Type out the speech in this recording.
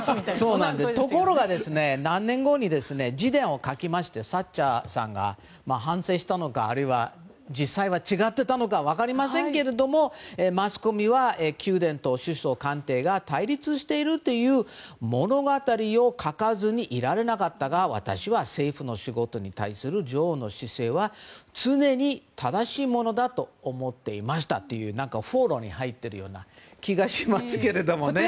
ところが、何年後かに自伝を書きましてサッチャーさんが反省したのかあるいは実際に違っていたのか分かりませんけれどもマスコミは宮殿と首相官邸が対立しているという物語を書かずにいられなかったが私は、政府の仕事に対する女王の姿勢は常に正しいものだと思っていましたというフォローに入っているような気がしますけどね。